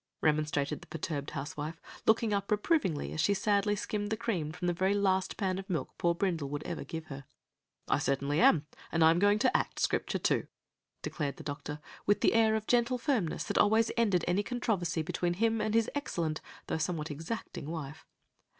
remonstrated the perturbed housewife, looking up reprovingly as she sadly skimmed the cream from the very last pan of milk poor Brindle would ever give her. "I certainly am, and I am going to act Scripture, too," declared the doctor, with the air of gentle firmness that always ended any controversy between him and his excellent, though somewhat exacting, wife.